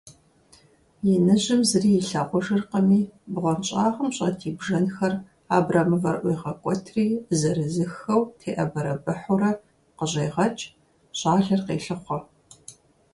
Иныжьым зыри илъагъужыркъыми, бгъуэнщӀагъым щӀэт и бжэнхэр абрэмывэр ӀуегъэкӀуэтри зырызыххэу теӏэбэрэбыхьурэ къыщӀегъэкӀ, щӀалэр къелъыхъуэ.